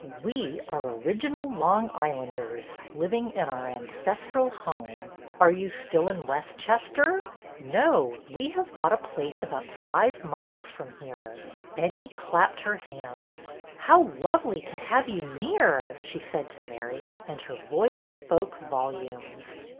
''We are original Long Islanders, living in our ancestral home. Are you still in Westchester?" No, we have bought a place about five miles from here." Betty clapped her hands. How lovely to have you near !" she said to Mary, and her voice spoke volumes.